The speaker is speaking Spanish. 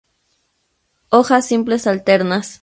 Hojas simples, alternas.